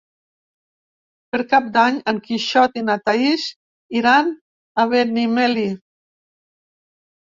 Per Cap d'Any en Quixot i na Thaís iran a Benimeli.